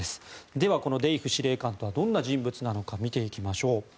では、このデイフ司令官とはどんな人物なのか見ていきましょう。